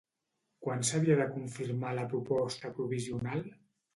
Quan s'havia de confirmar la proposta provisional?